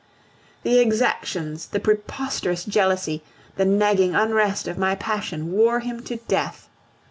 The exactions, the preposterous jealousy, the nagging unrest of my passion wore him to death.